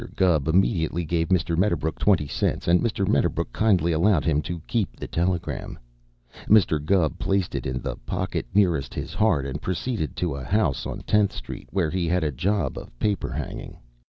Gubb immediately gave Mr. Medderbrook twenty cents and Mr. Medderbrook kindly allowed him to keep the telegram. Mr. Gubb placed it in the pocket nearest his heart and proceeded to a house on Tenth Street where he had a job of paper hanging.